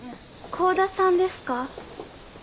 香田さんですか？